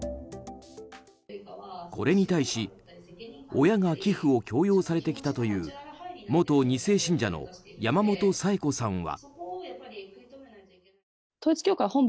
これに対し、親が寄付を強要されてきたという元２世信者の山本サエコさんは。